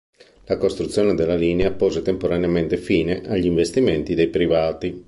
La costruzione della linea pose temporaneamente fine agli investimenti dei privati.